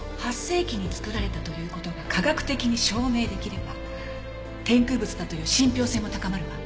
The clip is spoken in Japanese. ８世紀につくられたという事が科学的に証明できれば天空仏だという信憑性も高まるわ。